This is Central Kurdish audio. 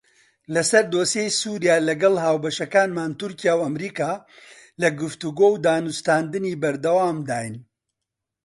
لەسەر دۆسیەی سووریا لەگەڵ هاوبەشەکانمان تورکیا و ئەمریکا لە گفتوگۆ و دانوستاندنی بەردەوامداین.